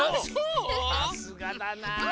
さすがだな。